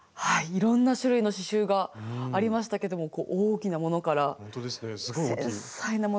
いろんな種類の刺しゅうがありましたけどもこう大きなものから繊細なものまで。